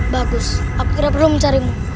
bagus aku kira perlu mencarimu